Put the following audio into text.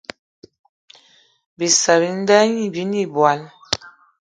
Bissa bi nda gnî binê ìbwal